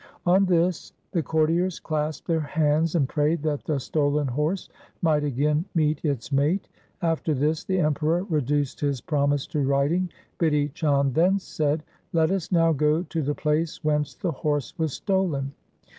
On this the courtiers clasped their hands and prayed that the stolen horse might again meet its mate. After this the Emperor reduced his promise to writing. Bidhi Chand then said, ' Let us now go to the place whence the horse was stolen.